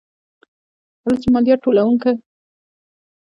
کله چې مالیات ټولونکو د بزګرو محصولات اخیستل، هغوی مایوسه شول.